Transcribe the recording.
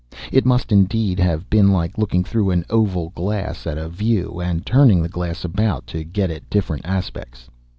It must, indeed, have been like looking through an oval glass at a view, and turning the glass about to get at different aspects.